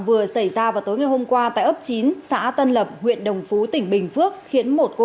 vừa xảy ra vào tối ngày hôm qua tại ấp chín xã tân lập huyện đồng phú tỉnh bình phước khiến một cô